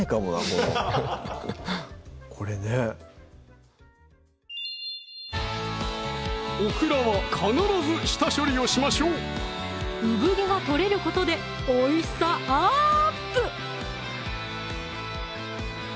このこれねオクラは必ず下処理をしましょううぶ毛が取れることでおいしさアップ！